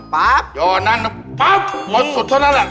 ปั๊บหมดสุดแค่นั้นน่ะ